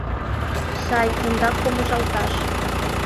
Сай — ондак помыжалташ.